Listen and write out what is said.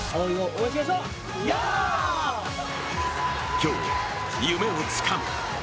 今日、夢をつかむ。